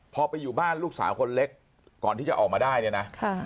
พอไปอยู่บ้านลูกสาวคนเล็กก่อนที่จะออกมาได้เนี่ยนะ